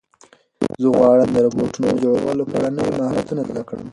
زه غواړم د روبوټونو د جوړولو په اړه نوي مهارتونه زده کړم.